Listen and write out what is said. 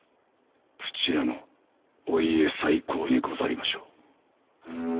土屋のお家再興にござりましょう？